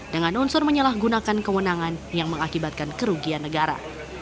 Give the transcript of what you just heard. dengan unsur menyalahgunakan kewenangan yang mengakibatkan kerugian negara